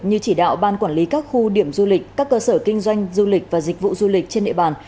như chỉ đạo ban quản lý các khu điểm du lịch các cơ sở kinh doanh du lịch và dịch vụ du lịch trên địa bàn